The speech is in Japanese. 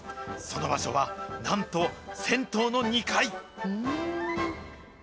その場所はなんと、銭湯の２階。